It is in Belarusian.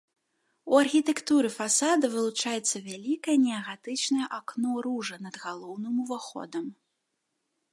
У архітэктуры фасада вылучаецца вялікае неагатычнае акно-ружа над галоўным уваходам.